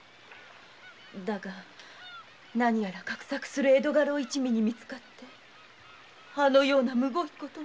だが何やら画策する江戸家老一味に見つかってあのようなむごい事に。